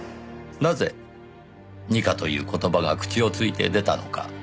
なぜ二課という言葉が口をついて出たのか。